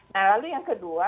nah lalu yang kedua